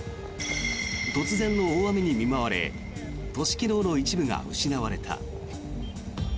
突然の大雨に見舞われ都市機能の一部が失われた。